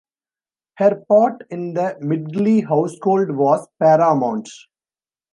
Her part in the Midgley household was paramount.